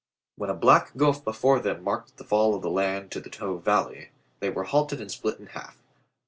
When a black gulf before them marked the fall of the land to the Tove Valley they were halted and split in half.